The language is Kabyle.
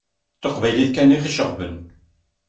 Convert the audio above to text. D taqbaylit kan i ɣ-iceɣben.